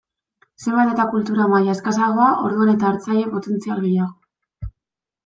Zenbat eta kultura maila eskasagoa orduan eta hartzaile potentzial gehiago.